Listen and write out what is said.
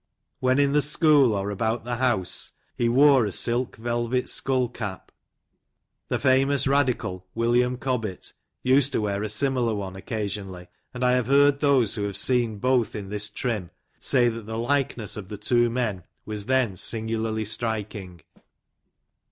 "When in the school, or about the house, be wore a silk velvet skull cap. The famous radical, William Cobbett, used to wear a similar one, occasionally ; and I have heard those who have seen both in this trim, say that the likeness of the two men, was then singularly striking.